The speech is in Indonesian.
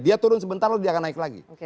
dia turun sebentar lalu dia akan naik lagi